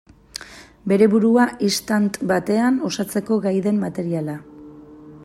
Bere burua istant batean osatzeko gai den materiala.